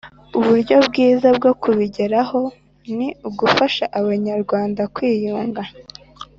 Uburyo bwiza bwo kubigeraho, ni ugufasha Abanyarwanda kwiyunga.